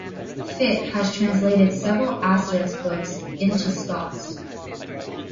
Fitt has translated several Asterix books into Scots.